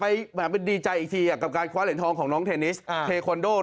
อีก็ดีใจกับการขว้าเหรียญทองของน้องเทนจ์